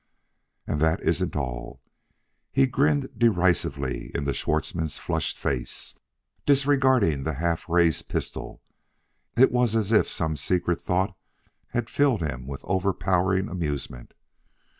"And that isn't all!" He grinned derisively into Schwartzmann's flushed face, disregarding the half raised pistol; it was as if some secret thought had filled him with overpowering amusement.